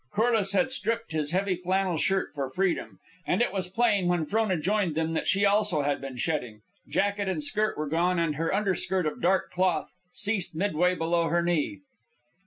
Corliss had stripped his heavy flannel shirt for freedom; and it was plain, when Frona joined them, that she also had been shedding. Jacket and skirt were gone, and her underskirt of dark cloth ceased midway below the knee.